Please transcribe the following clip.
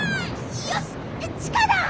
よしっちかだ！